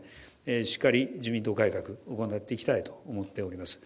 しっかり自民党改革を行っていきたいと思っております。